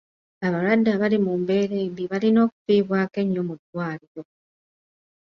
Abalwadde abali mu mbeera embi balina okufiibwako ennyo mu ddwaliro.